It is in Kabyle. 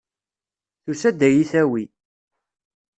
Tusa-d ad yi-tawi.